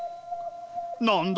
何だ？